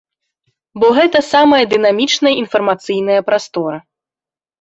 Бо гэта самая дынамічная інфармацыйная прастора.